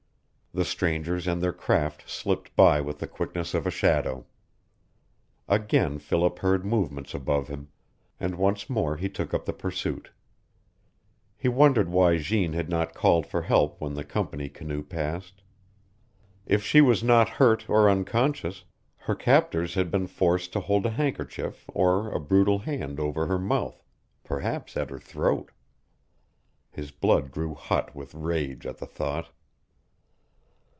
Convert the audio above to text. The strangers and their craft slipped by with the quickness of a shadow. Again Philip heard movements above him, and once more he took up the pursuit. He wondered why Jeanne had not called for help when the company canoe passed. If she was not hurt or unconscious, her captors had been forced to hold a handkerchief or a brutal hand over her mouth, perhaps at her throat! His blood grew hot with rage at the thought.